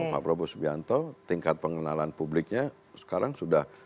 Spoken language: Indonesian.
pak prabowo subianto tingkat pengenalan publiknya sekarang sudah